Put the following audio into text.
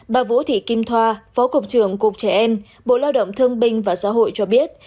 bà vũ thị kim thoa phó cục trưởng cục trẻ em bộ lao động thương binh và xã hội cho biết